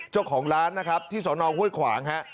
เจ้าของร้านนะครับที่สอนองฮ่วยขวาง